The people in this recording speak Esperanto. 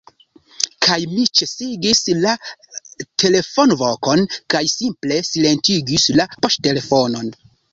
Kaj mi ĉesigis la telefonvokon, kaj simple silentigis la poŝtelefonon.